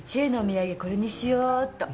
これにしようっと！